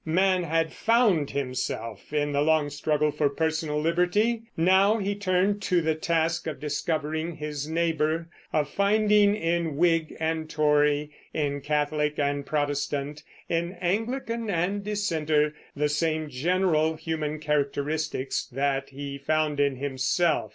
Man had found himself in the long struggle for personal liberty; now he turned to the task of discovering his neighbor, of finding in Whig and Tory, in Catholic and Protestant, in Anglican and Dissenter, the same general human characteristics that he found in himself.